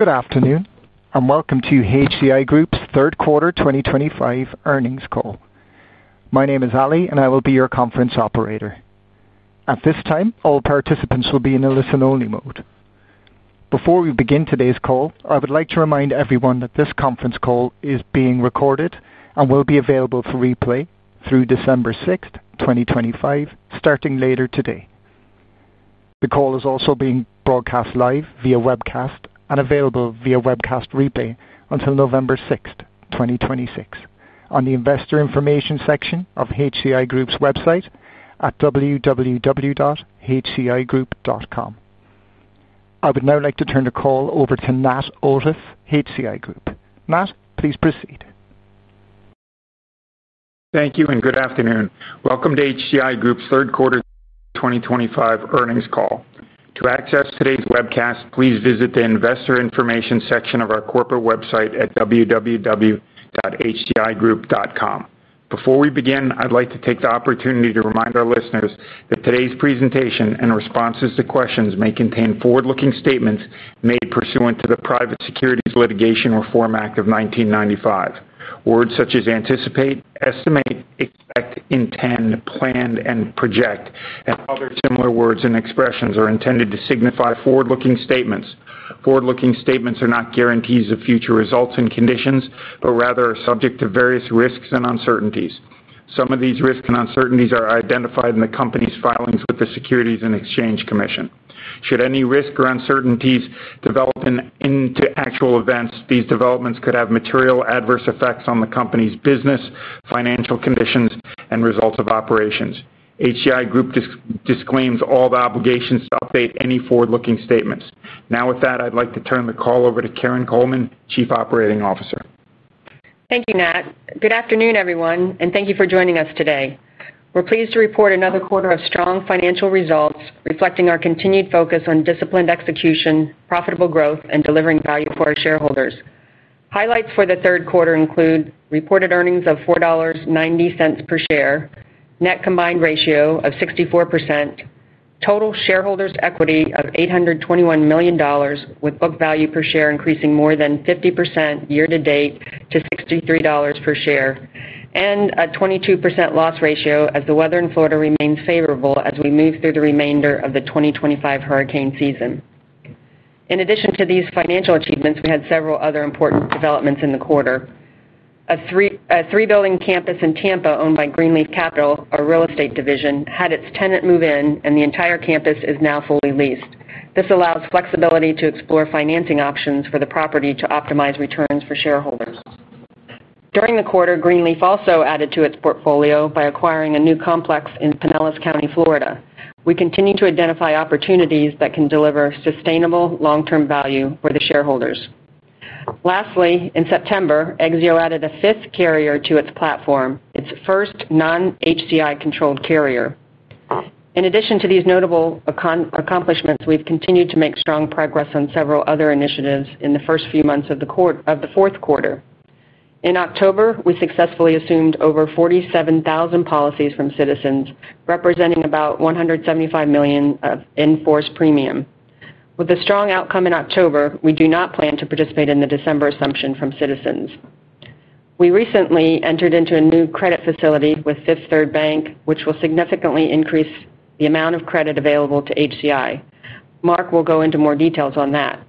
Good afternoon, and welcome to HCI Group's third quarter 2025 earnings call. My name is Ali, and I will be your conference operator. At this time, all participants will be in a listen-only mode. Before we begin today's call, I would like to remind everyone that this conference call is being recorded and will be available for replay through December 6, 2025, starting later today. The call is also being broadcast live via webcast and available via webcast replay until November 6, 2026, on the investor information section of HCI Group's website at www.hcigroup.com. I would now like to turn the call over to Matt Aldrich, HCI Group. Matt, please proceed. Thank you, and good afternoon. Welcome to HCI Group's third quarter 2025 earnings call. To access today's webcast, please visit the investor information section of our corporate website at www.HCIgroup.com. Before we begin, I'd like to take the opportunity to remind our listeners that today's presentation and responses to questions may contain forward-looking statements made pursuant to the Private Securities Litigation Reform Act of 1995. Words such as anticipate, estimate, expect, intend, plan, and project, and other similar words and expressions are intended to signify forward-looking statements. Forward-looking statements are not guarantees of future results and conditions, but rather are subject to various risks and uncertainties. Some of these risks and uncertainties are identified in the company's filings with the Securities and Exchange Commission. Should any risk or uncertainties develop into actual events, these developments could have material adverse effects on the company's business, financial conditions, and results of operations. HCI Group disclaims all obligations to update any forward-looking statements. Now, with that, I'd like to turn the call over to Karin Coleman, Chief Operating Officer. Thank you, Matt. Good afternoon, everyone, and thank you for joining us today. We're pleased to report another quarter of strong financial results reflecting our continued focus on disciplined execution, profitable growth, and delivering value for our shareholders. Highlights for the third quarter include reported earnings of $4.90 per share, net combined ratio of 64%. Total shareholders' equity of $821 million, with book value per share increasing more than 50% year to date to $63 per share, and a 22% loss ratio as the weather in Florida remains favorable as we move through the remainder of the 2025 hurricane season. In addition to these financial achievements, we had several other important developments in the quarter. A three-building campus in Tampa owned by Greenleaf Capital, our real estate division, had its tenant move in, and the entire campus is now fully leased. This allows flexibility to explore financing options for the property to optimize returns for shareholders. During the quarter, Greenleaf also added to its portfolio by acquiring a new complex in Pinellas County, Florida. We continue to identify opportunities that can deliver sustainable long-term value for the shareholders. Lastly, in September, Exio added a fifth carrier to its platform, its first non-HCI-controlled carrier. In addition to these notable accomplishments, we've continued to make strong progress on several other initiatives in the first few months of the fourth quarter. In October, we successfully assumed over 47,000 policies from Citizens, representing about $175 million of in-force premium. With a strong outcome in October, we do not plan to participate in the December assumption from Citizens. We recently entered into a new credit facility with Fifth Third Bank, which will significantly increase the amount of credit available to HCI. Mark will go into more details on that.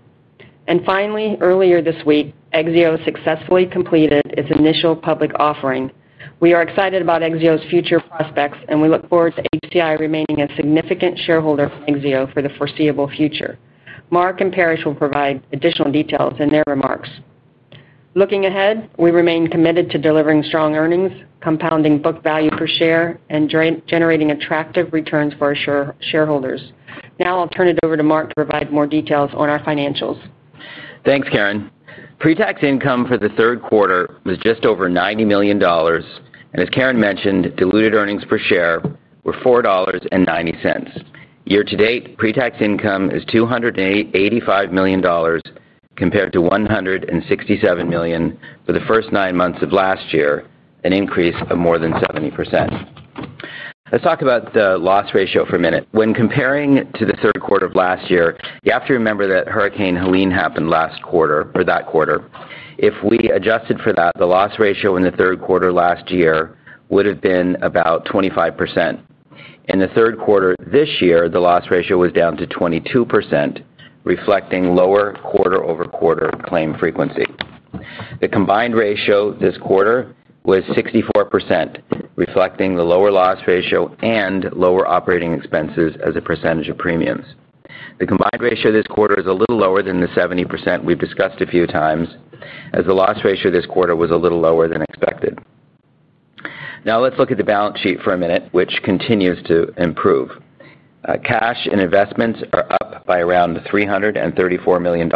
Finally, earlier this week, Exio successfully completed its initial public offering. We are excited about Exio's future prospects, and we look forward to HCI remaining a significant shareholder of Exio for the foreseeable future. Mark and Paresh will provide additional details in their remarks. Looking ahead, we remain committed to delivering strong earnings, compounding book value per share, and generating attractive returns for our shareholders. Now I'll turn it over to Mark to provide more details on our financials. Thanks, Karin. Pre-tax income for the third quarter was just over $90 million, and as Karin mentioned, diluted earnings per share were $4.90. Year to date, pre-tax income is $285 million. Compared to $167 million for the first nine months of last year, an increase of more than 70%. Let's talk about the loss ratio for a minute. When comparing to the third quarter of last year, you have to remember that Hurricane Helene happened last quarter for that quarter. If we adjusted for that, the loss ratio in the third quarter last year would have been about 25%. In the third quarter this year, the loss ratio was down to 22%, reflecting lower quarter-over-quarter claim frequency. The combined ratio this quarter was 64%, reflecting the lower loss ratio and lower operating expenses as a percentage of premiums. The combined ratio this quarter is a little lower than the 70% we've discussed a few times, as the loss ratio this quarter was a little lower than expected. Now let's look at the balance sheet for a minute, which continues to improve. Cash and investments are up by around $334 million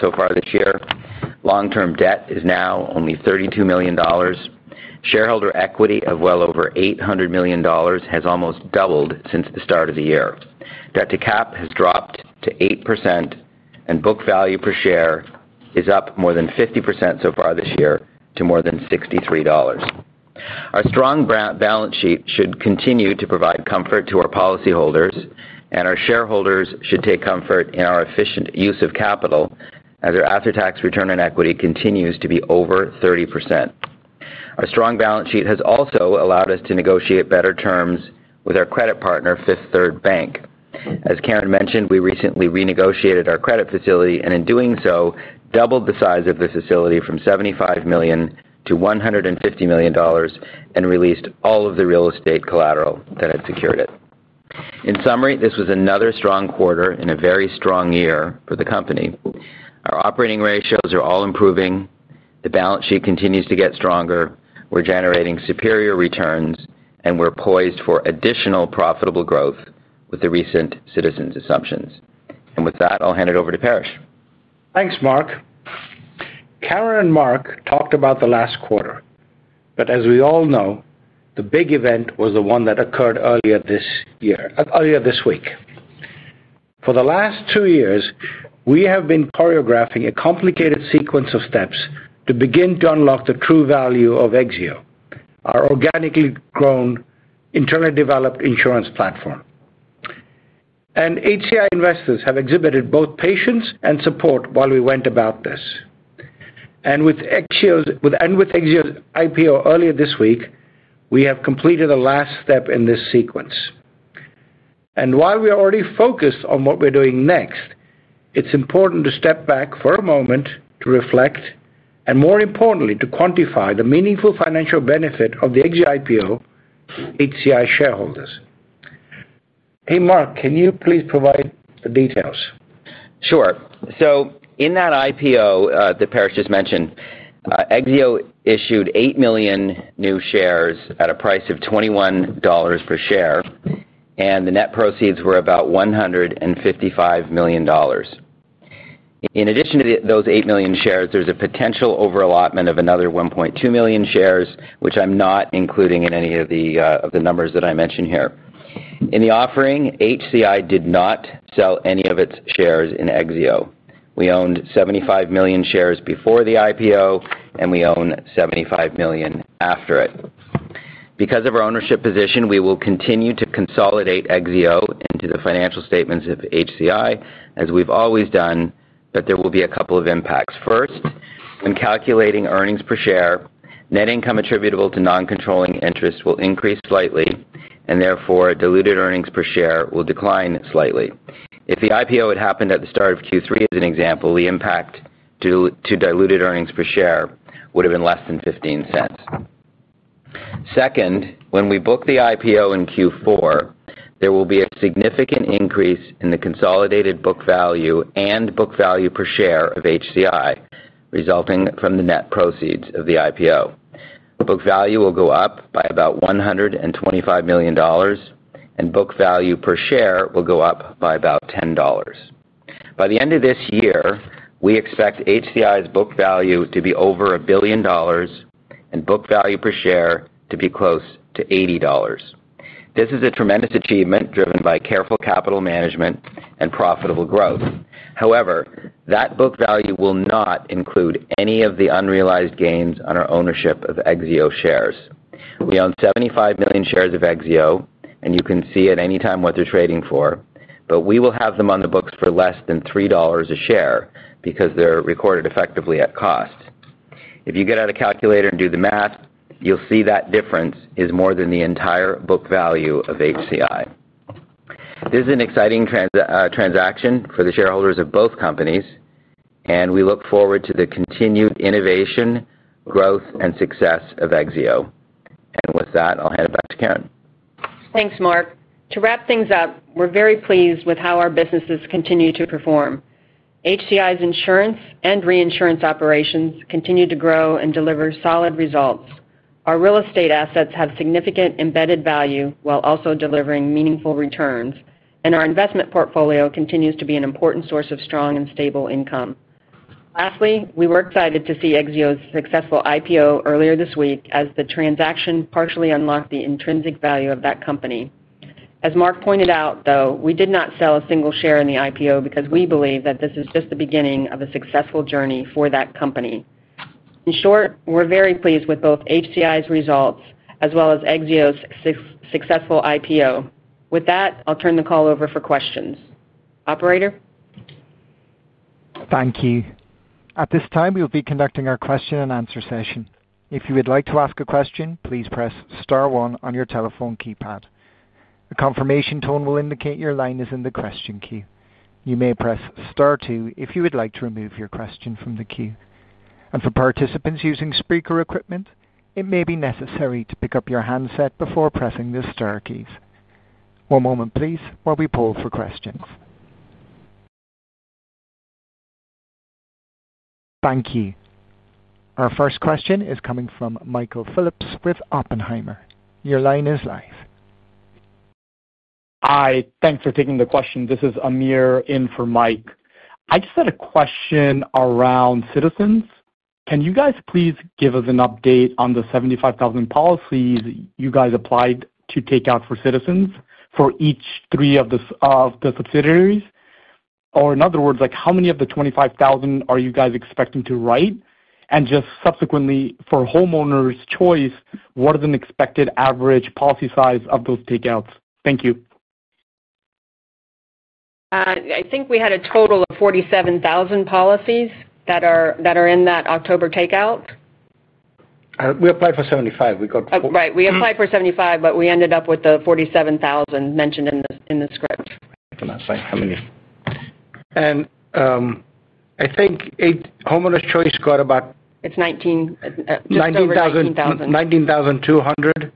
so far this year. Long-term debt is now only $32 million. Shareholder equity of well over $800 million has almost doubled since the start of the year. Debt to cap has dropped to 8%, and book value per share is up more than 50% so far this year to more than $63. Our strong balance sheet should continue to provide comfort to our policyholders, and our shareholders should take comfort in our efficient use of capital as our after-tax return on equity continues to be over 30%. Our strong balance sheet has also allowed us to negotiate better terms with our credit partner, Fifth Third Bank. As Karin mentioned, we recently renegotiated our credit facility and, in doing so, doubled the size of the facility from $75 million to $150 million and released all of the real estate collateral that had secured it. In summary, this was another strong quarter in a very strong year for the company. Our operating ratios are all improving. The balance sheet continues to get stronger. We're generating superior returns, and we're poised for additional profitable growth with the recent Citizens assumptions. With that, I'll hand it over to Paresh. Thanks, Mark. Karin and Mark talked about the last quarter, but as we all know, the big event was the one that occurred earlier this year, earlier this week. For the last two years, we have been choreographing a complicated sequence of steps to begin to unlock the true value of Exio, our organically grown, internally developed insurance platform. HCI investors have exhibited both patience and support while we went about this. With Exio's IPO earlier this week, we have completed the last step in this sequence. We are already focused on what we're doing next, but it's important to step back for a moment to reflect and, more importantly, to quantify the meaningful financial benefit of the Exio IPO. HCI shareholders. Hey, Mark, can you please provide the details? Sure. In that IPO that Paresh just mentioned, Exio issued 8 million new shares at a price of $21 per share, and the net proceeds were about $155 million. In addition to those 8 million shares, there is a potential overallotment of another 1.2 million shares, which I am not including in any of the numbers that I mentioned here. In the offering, HCI did not sell any of its shares in Exio. We owned 75 million shares before the IPO, and we own 75 million after it. Because of our ownership position, we will continue to consolidate Exio into the financial statements of HCI, as we have always done, but there will be a couple of impacts. First, when calculating earnings per share, net income attributable to non-controlling interest will increase slightly, and therefore diluted earnings per share will decline slightly. If the IPO had happened at the start of Q3, as an example, the impact to diluted earnings per share would have been less than $0.15. Second, when we book the IPO in Q4, there will be a significant increase in the consolidated book value and book value per share of HCI, resulting from the net proceeds of the IPO. Book value will go up by about $125 million, and book value per share will go up by about $10. By the end of this year, we expect HCI's book value to be over $1 billion and book value per share to be close to $80. This is a tremendous achievement driven by careful capital management and profitable growth. However, that book value will not include any of the unrealized gains on our ownership of Exio shares. We own 75 million shares of Exio, and you can see at any time what they're trading for, but we will have them on the books for less than $3 a share because they're recorded effectively at cost. If you get out a calculator and do the math, you'll see that difference is more than the entire book value of HCI. This is an exciting transaction for the shareholders of both companies, and we look forward to the continued innovation, growth, and success of Exio. With that, I'll hand it back to Karin. Thanks, Mark. To wrap things up, we're very pleased with how our businesses continue to perform. HCI's insurance and reinsurance operations continue to grow and deliver solid results. Our real estate assets have significant embedded value while also delivering meaningful returns, and our investment portfolio continues to be an important source of strong and stable income. Lastly, we were excited to see Exio's successful IPO earlier this week as the transaction partially unlocked the intrinsic value of that company. As Mark pointed out, though, we did not sell a single share in the IPO because we believe that this is just the beginning of a successful journey for that company. In short, we're very pleased with both HCI's results as well as Exio's successful IPO. With that, I'll turn the call over for questions. Operator. Thank you. At this time, we'll be conducting our question-and-answer session. If you would like to ask a question, please press Star 1 on your telephone keypad. A confirmation tone will indicate your line is in the question queue. You may press Star 2 if you would like to remove your question from the queue. For participants using speaker equipment, it may be necessary to pick up your handset before pressing the Star keys. One moment, please, while we poll for questions. Thank you. Our first question is coming from Michael Phillips with Oppenheimer. Your line is live. Hi. Thanks for taking the question. This is Amir in for Mike. I just had a question around Citizens. Can you guys please give us an update on the 75,000 policies you guys applied to take out for Citizens for each three of the subsidiaries? In other words, how many of the 25,000 are you guys expecting to write? Just subsequently, for Homeowners Choice, what is an expected average policy size of those takeouts? Thank you. I think we had a total of 47,000 policies that are in that October takeout. We applied for 75. We got 4. Right. We applied for 75, but we ended up with the 47,000 mentioned in the script. That's how many. I think Homeowners Choice got about. It's 19. 19,000. 19,000. 19,200.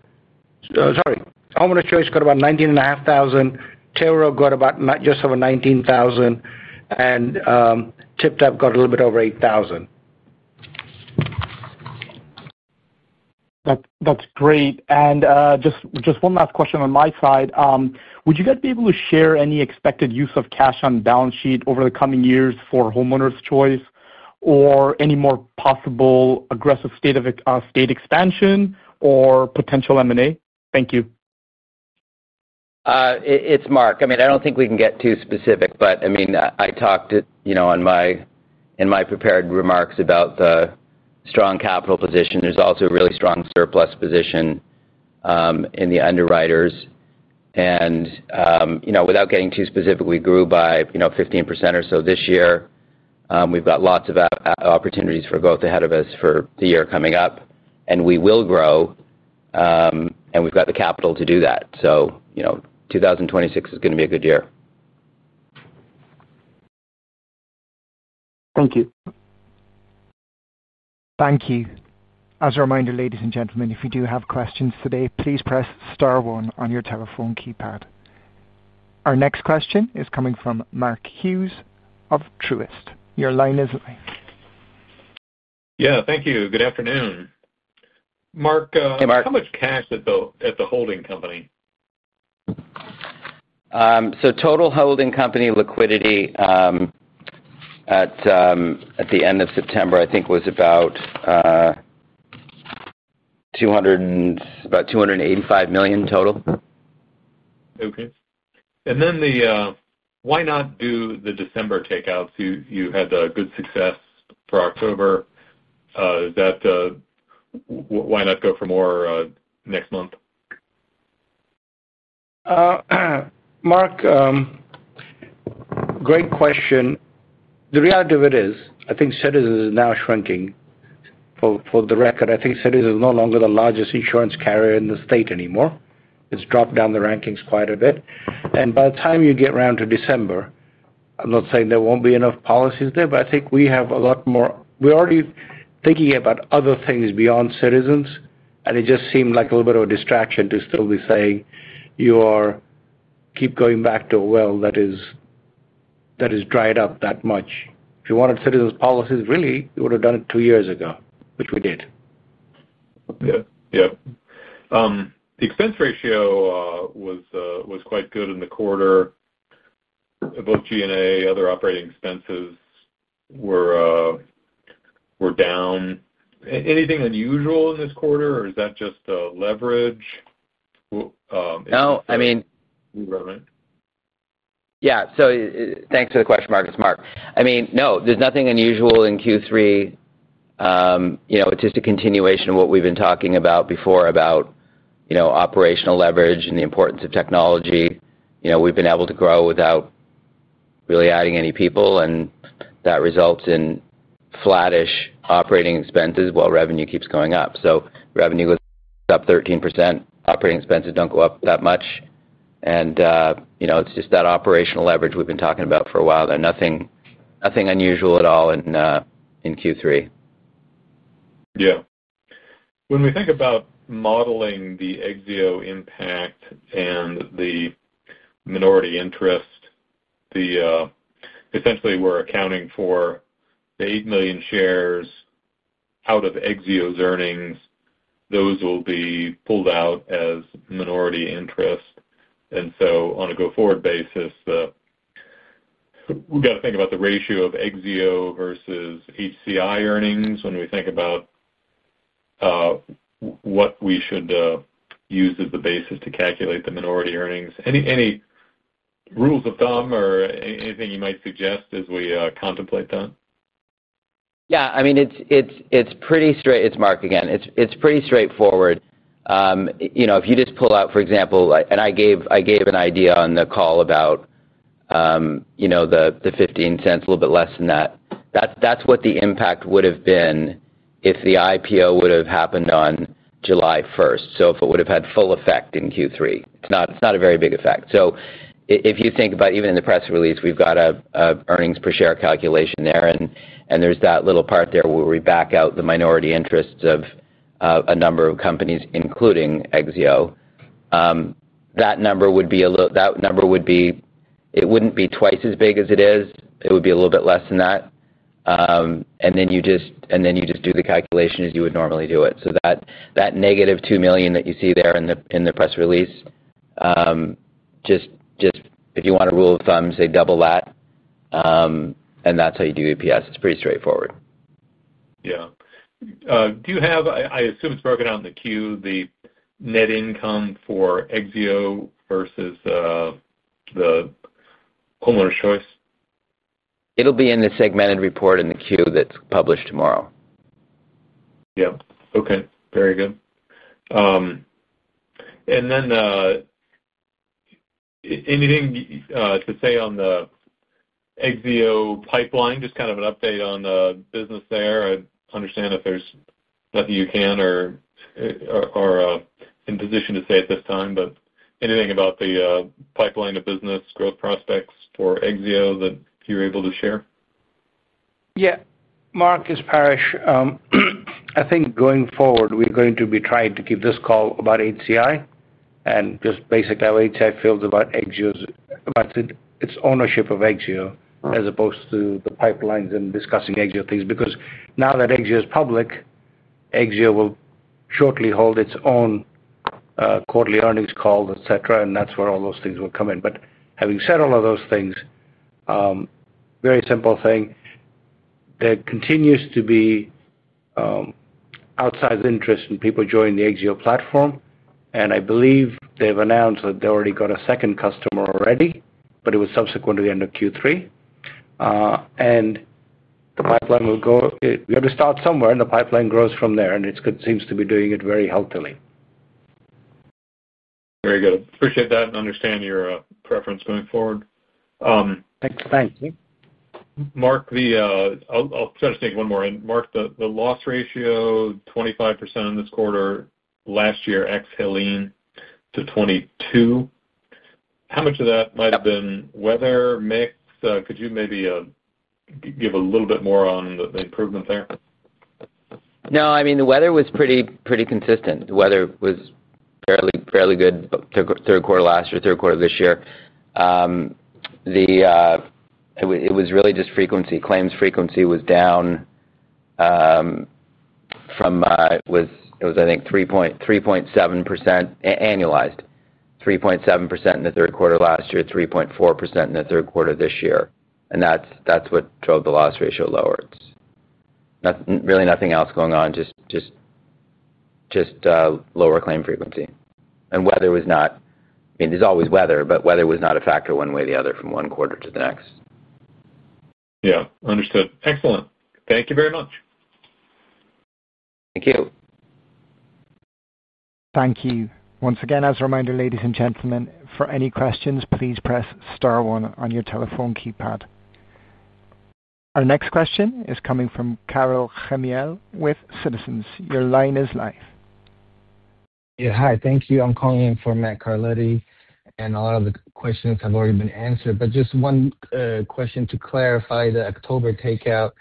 Sorry. Homeowners Choice got about 19,500. Terra got about just over 19,000. TypTap got a little bit over 8,000. That's great. Just one last question on my side. Would you guys be able to share any expected use of cash on balance sheet over the coming years for Homeowners Choice or any more possible aggressive state expansion or potential M&A? Thank you. It's Mark. I mean, I don't think we can get too specific, but I mean, I talked in my prepared remarks about the strong capital position. There's also a really strong surplus position in the underwriters. And without getting too specific, we grew by 15% or so this year. We've got lots of opportunities for growth ahead of us for the year coming up, and we will grow. And we've got the capital to do that. 2026 is going to be a good year. Thank you. Thank you. As a reminder, ladies and gentlemen, if you do have questions today, please press Star 1 on your telephone keypad. Our next question is coming from Mark Hughes of Truist. Your line is live. Yeah. Thank you. Good afternoon. Mark, how much cash at the holding company? Total holding company liquidity at the end of September, I think, was about $285 million total. Okay. And then why not do the December takeouts? You had good success for October. Why not go for more next month? Great question. The reality of it is, I think Citizens is now shrinking. For the record, I think Citizens is no longer the largest insurance carrier in the state anymore. It has dropped down the rankings quite a bit. By the time you get around to December, I'm not saying there won't be enough policies there, but I think we have a lot more. We're already thinking about other things beyond Citizens, and it just seemed like a little bit of a distraction to still be saying you keep going back to a well that is dried up that much. If you wanted Citizens policies, really, you would have done it two years ago, which we did. Yeah. Yeah. The expense ratio was quite good in the quarter. Both G&A, other operating expenses, were down. Anything unusual in this quarter, or is that just leverage? No. I mean. New government? Yeah. Thanks for the question, Marcus. Mark, I mean, no, there's nothing unusual in Q3. It's just a continuation of what we've been talking about before about operational leverage and the importance of technology. We've been able to grow without really adding any people, and that results in flattish operating expenses while revenue keeps going up. Revenue goes up 13%. Operating expenses don't go up that much. It's just that operational leverage we've been talking about for a while. There's nothing unusual at all in Q3. Yeah. When we think about modeling the Exio impact and the minority interest, essentially, we're accounting for the 8 million shares out of Exio's earnings. Those will be pulled out as minority interest. On a go-forward basis, we've got to think about the ratio of Exio versus HCI earnings when we think about what we should use as the basis to calculate the minority earnings. Any rules of thumb or anything you might suggest as we contemplate that? Yeah. I mean, it's pretty straight, Mark, again. It's pretty straightforward. If you just pull out, for example, and I gave an idea on the call about the 15 cents, a little bit less than that. That's what the impact would have been if the IPO would have happened on July 1. If it would have had full effect in Q3, it's not a very big effect. If you think about even in the press release, we've got an earnings per share calculation there, and there's that little part there where we back out the minority interests of a number of companies, including Exio. That number would be a little—that number would be—it wouldn't be twice as big as it is. It would be a little bit less than that. You just do the calculation as you would normally do it. That negative $2 million that you see there in the press release. Just if you want a rule of thumb, say double that. And that's how you do EPS. It's pretty straightforward. Yeah. Do you have—I assume it's broken out in the Q—the net income for Exio versus the Homeowners Choice? It'll be in the segmented report in the queue that's published tomorrow. Yeah. Okay. Very good. Anything to say on the Exio pipeline? Just kind of an update on the business there. I understand if there's nothing you can or are in position to say at this time, but anything about the pipeline of business growth prospects for Exio that you're able to share? Yeah. Mark, it is Paresh. I think going forward, we're going to be trying to give this call about HCI and just basically how HCI feels about its ownership of Exio as opposed to the pipelines and discussing Exio things because now that Exio is public, Exio will shortly hold its own quarterly earnings calls, etc., and that's where all those things will come in. Having said all of those things, very simple thing. There continues to be outsized interest in people joining the Exio platform. I believe they've announced that they already got a second customer already, but it was subsequent to the end of Q3. The pipeline will go—we have to start somewhere, and the pipeline grows from there, and it seems to be doing it very healthily. Very good. Appreciate that and understand your preference going forward. Thank you. Mark, the—I'll just take one more in. Mark, the loss ratio, 25% in this quarter, last year ex-Helene, to 22%. How much of that might have been weather, mix? Could you maybe give a little bit more on the improvement there? No. I mean, the weather was pretty consistent. The weather was fairly good. Third quarter last year, third quarter of this year. It was really just frequency. Claims frequency was down. From—it was, I think, 3.7% annualized, 3.7% in the third quarter last year, 3.4% in the third quarter this year. And that's what drove the loss ratio lower. Really nothing else going on, just. Lower claim frequency. And weather was not—I mean, there's always weather, but weather was not a factor one way or the other from one quarter to the next. Yeah. Understood. Excellent. Thank you very much. Thank you. Thank you. Once again, as a reminder, ladies and gentlemen, for any questions, please press Star 1 on your telephone keypad. Our next question is coming from Karel Chmiel with Citizens. Your line is live. Yeah. Hi. Thank you. I'm calling in for Matt Carletti, and a lot of the questions have already been answered. Just one question to clarify the October takeout.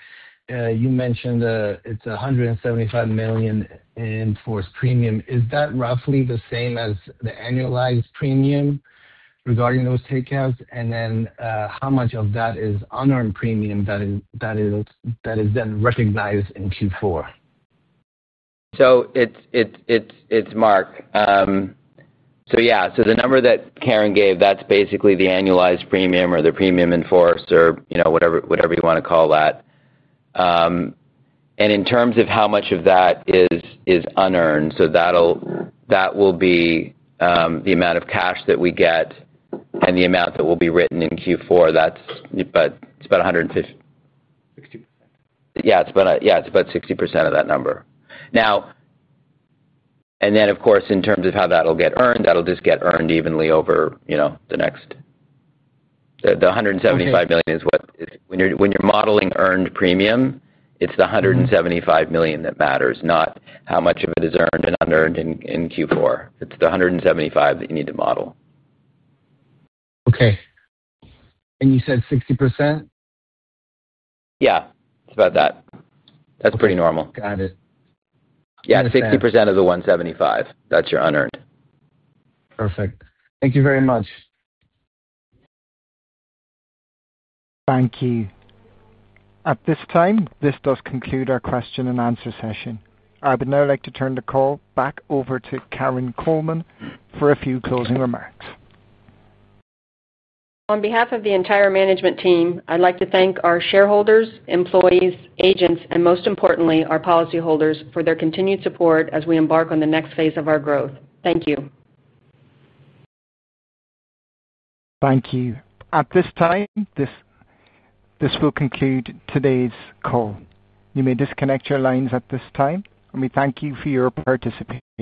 You mentioned it's $175 million in-force premium. Is that roughly the same as the annualized premium regarding those takeouts? How much of that is unearned premium that is then recognized in Q4? It's Mark. So yeah. The number that Karin gave, that's basically the annualized premium or the premium in force or whatever you want to call that. In terms of how much of that is unearned, that will be the amount of cash that we get and the amount that will be written in Q4. It's about $150 million. 60%. Yeah. Yeah. It's about 60% of that number now. And then, of course, in terms of how that'll get earned, that'll just get earned evenly over the next. The $175 million is what—when you're modeling earned premium, it's the $175 million that matters, not how much of it is earned and unearned in Q4. It's the $175 million that you need to model. Okay. You said 60%? Yeah. It's about that. That's pretty normal. Got it. Yeah. 60% of the $175 million. That's your unearned. Perfect. Thank you very much. Thank you. At this time, this does conclude our question and answer session. I would now like to turn the call back over to Karin Coleman for a few closing remarks. On behalf of the entire management team, I'd like to thank our shareholders, employees, agents, and most importantly, our policyholders for their continued support as we embark on the next phase of our growth. Thank you. Thank you. At this time, this will conclude today's call. You may disconnect your lines at this time, and we thank you for your participation.